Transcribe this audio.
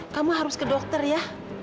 kamu harus ke dokter ya